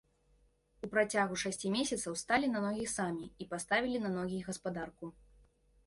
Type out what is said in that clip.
У працягу шасці месяцаў сталі на ногі самі і паставілі на ногі гаспадарку.